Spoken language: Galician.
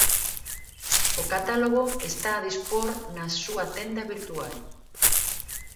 O catálogo está a dispor na súa tenda virtual.